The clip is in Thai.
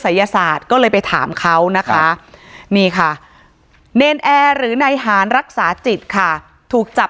ศาสตร์ก็เลยไปถามเขานะคะนี่ค่ะเนรนแอร์หรือนายหารรักษาจิตค่ะถูกจับ